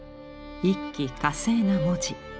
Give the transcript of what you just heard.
一気呵成な文字。